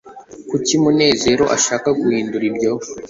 kuki munezero ashaka guhindura ibyo